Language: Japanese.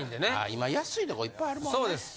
今安いとこいっぱいあるもんね。